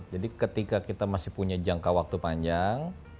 jadi ketika kita masih punya jangka waktu panjang